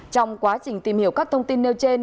trong quá trình tìm hiểu các thông tin nêu trên